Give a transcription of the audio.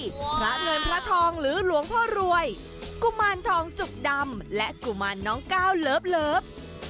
พระเงินพระทองหรือหลวงพ่อรวยกุมารทองจุกดำและกุมารน้องก้าวเลิฟ